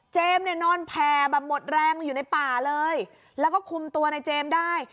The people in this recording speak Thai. เนี่ยนอนแผ่แบบหมดแรงอยู่ในป่าเลยแล้วก็คุมตัวในเจมส์ได้